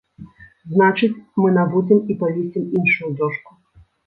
Значыць, мы набудзем і павесім іншую дошку.